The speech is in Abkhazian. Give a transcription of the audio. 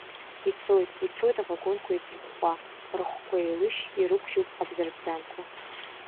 Ицоит, ицоит авагонқәа еицырхәхәа, рыхқәа еилышь ирықәжьуп абзарбзанқәа.